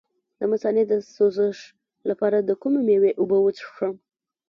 د مثانې د سوزش لپاره د کومې میوې اوبه وڅښم؟